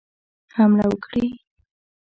حمله وکړي.